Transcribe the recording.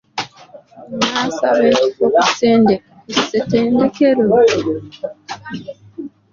Onaasaba ekifo ku ssetendekelo?